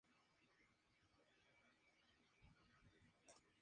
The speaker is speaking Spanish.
Además, es egresada de la carrera de Comunicaciones de la Universidad de Lima.